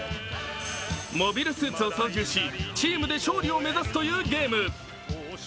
モビルスーツを操縦し、チームで勝利を目指すというゲーム。